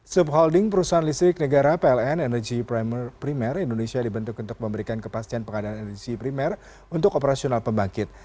subholding perusahaan listrik negara pln energy primer indonesia dibentuk untuk memberikan kepastian pengadaan energi primer untuk operasional pembangkit